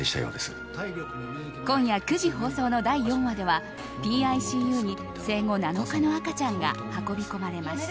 今夜９時放送の第４話ではＰＩＣＵに生後７日の赤ちゃんが運び込まれます。